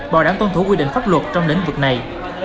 bảo đảm tuân thủ quy định pháp luật trong lĩnh vực này